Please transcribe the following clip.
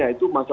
ya itu masalah